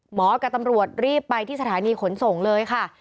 กับตำรวจรีบไปที่สถานีขนส่งเลยค่ะ